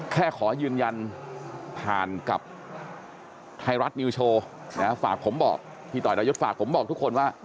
ขอยืนยันผ่านกับไทยรัฐนิวโชว์ฝากผมบอกพี่ต่อยดายศฝากผมบอกทุกคนว่า